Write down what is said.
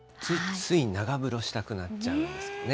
ついつい長風呂したくなっちゃうんですよね。